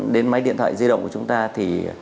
đến máy điện thoại di động của chúng ta thì